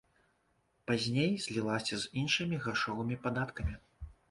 Пазней злілася з іншымі грашовымі падаткамі.